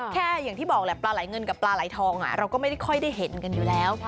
อย่างที่บอกแหละปลาไหลเงินกับปลาไหลทองเราก็ไม่ได้ค่อยได้เห็นกันอยู่แล้ว